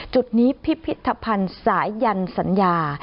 จุดนี้พิพิธภัณฑ์สายันสัญญา